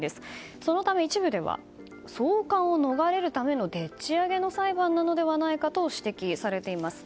そのため、一部では送還を逃れるためのでっち上げの裁判なのではないかと指摘されています。